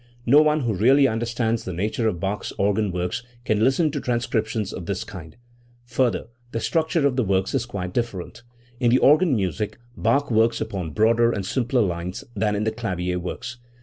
No one who really understands the nature of Bach's organ works can listen to transcriptions of this kind. Further, the structure of the works is quite different. In the organ music Bach works upon much broader and simpler lines than in the clavier works.